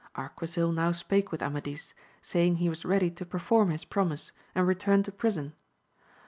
Arquisil now spake with Ama dis, saying he was ready to perform his promise, and return to prison.